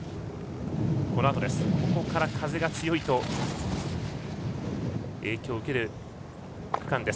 ここから風が強いと影響を受ける区間。